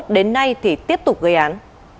đến nay thì tiếp tục gây án